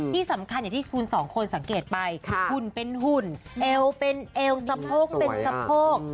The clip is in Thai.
ที่สำคัญอย่างที่คุณสองคนสังเกตไปหุ่นเป็นหุ่นเอวเป็นเอวสะโพกเป็นสะโพก